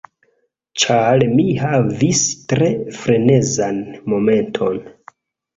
Ĉar mi havis tre frenezan momenton.